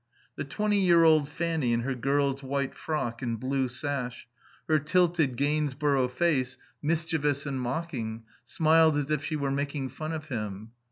The twenty year old Fanny in her girl's white frock and blue sash; her tilted, Gainsborough face, mischievous and mocking, smiled as if she were making fun of him.